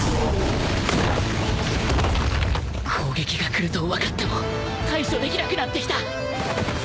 攻撃が来ると分かっても対処できなくなってきた